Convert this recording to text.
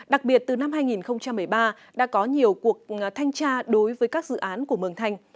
đặc biệt từ năm hai nghìn một mươi ba đã có nhiều cuộc thanh tra đối với các dự án của mường thanh